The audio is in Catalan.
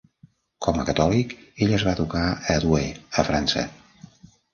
Com a catòlic, ell es va educar a Douai, a França.